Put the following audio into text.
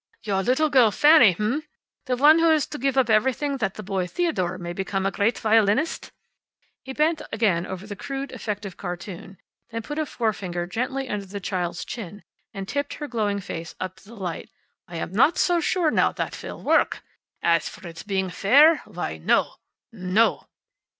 "Your little girl Fanny, h'm? The one who is to give up everything that the boy Theodore may become a great violinist." He bent again over the crude, effective cartoon, then put a forefinger gently under the child's chin and tipped her glowing face up to the light. "I am not so sure now that it will work. As for its being fair! Why, no! No!"